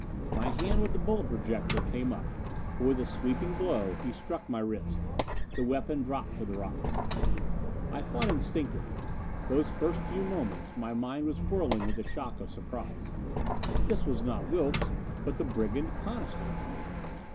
My hand with the bullet protector came up, but with a sweeping blow he struck my wrist. The weapon dropped to the rocks. I fought instinctively, those first moments; my mind was whirling with the shock of surprise. This was not Wilks, but the brigand Coniston.